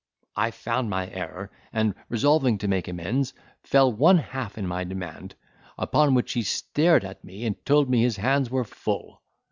I found my error, and, resolving to make amends, fell one half in my demand; upon which he stared at me and told me his hands were full.